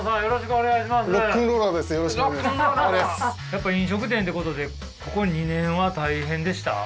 やっぱ飲食店ってことでここ２年は大変でした？